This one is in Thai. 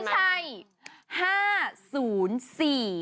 ไม่ใช่๕๐๔